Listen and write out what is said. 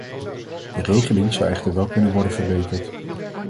De regeling zou echter wel kunnen worden verbeterd.